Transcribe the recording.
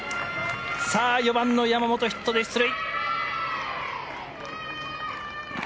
さあ、４番の山本ヒットで出塁。